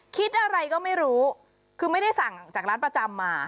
คิดอะไรก็ไม่รู้คือไม่ได้สั่งจากร้านประจำมา